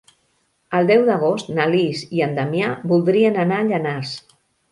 El deu d'agost na Lis i en Damià voldrien anar a Llanars.